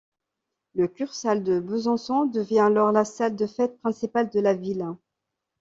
Le kursaal de Besançon devient alors la salle de fête principale de la ville.